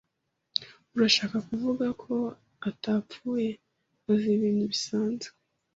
Urashaka kuvuga ko atapfuye azize ibintu bisanzwe?